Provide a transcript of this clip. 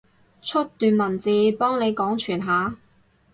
出段文字，幫你廣傳下？